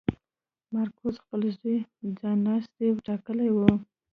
مارکوس خپل زوی ځایناستی ټاکلی و.